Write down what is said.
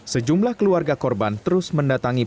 sejumlah keluarga korban terus mendatangi